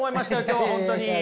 今日本当に。